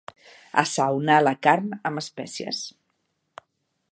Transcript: Assaonar la carn amb espècies.